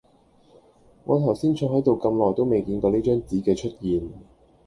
我頭先坐喺度咁耐都未見過呢張紙嘅出現